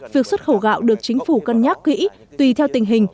việc xuất khẩu gạo được chính phủ cân nhắc kỹ tùy theo tình hình